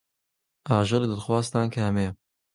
ئاژەڵی دڵخوازتان کامەیە؟